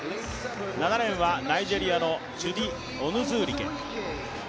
７レーンはナイジェリアのチュディ・オヌズーリケ。